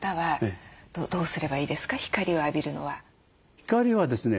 光はですね